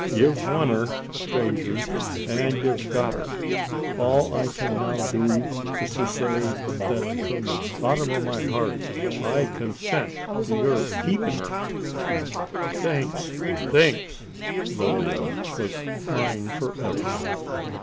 Ye've won her, stranger! an' ye've got her. All I kin now do is to say, that, from the bottom o' my heart I consent to yur keepin' her." "Thanks thanks!" Lilian was mine for ever.